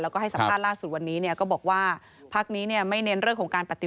แล้วก็ให้สัมภาษณ์ราชสุดวันนี้เนี่ยก็บอกว่าพักษณ์เนี่ยไม่เน๋นเรื่องการปฏิวัติ